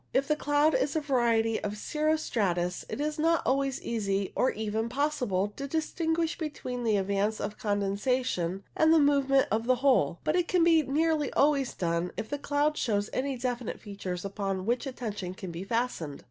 If the cloud is a variety of cirro stratus, it is not always easy, or even possible, to distinguish between the advance of condensation and the movement of the whole, but it can nearly always be done if the cloud shows any definite features upon which attention can be fastened.